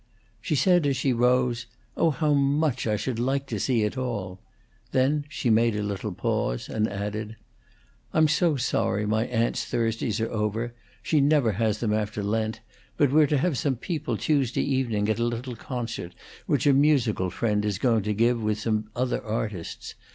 She said, as she rose, "Oh, how much I should like to see it all!" Then she made a little pause, and added: "I'm so sorry my aunt's Thursdays are over; she never has them after Lent, but we're to have some people Tuesday evening at a little concert which a musical friend is going to give with some other artists.